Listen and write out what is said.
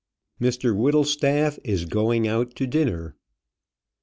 MR WHITTLESTAFF IS GOING OUT TO DINNER.